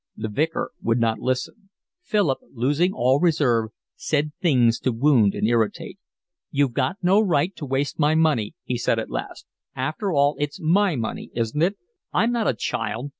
The Vicar would not listen. Philip, losing all reserve, said things to wound and irritate. "You've got no right to waste my money," he said at last. "After all it's my money, isn't it? I'm not a child.